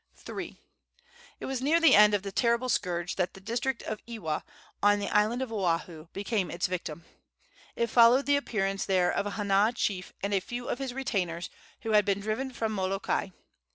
III. It was near the end of the terrible scourge that the district of Ewa, on the island of Oahu, became its victim. It followed the appearance there of a Hana chief and a few of his retainers, who had been driven from Molokai.